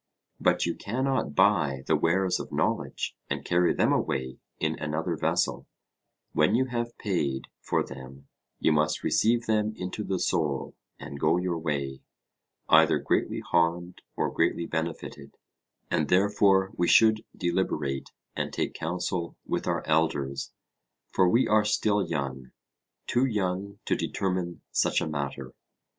But you cannot buy the wares of knowledge and carry them away in another vessel; when you have paid for them you must receive them into the soul and go your way, either greatly harmed or greatly benefited; and therefore we should deliberate and take counsel with our elders; for we are still young too young to determine such a matter.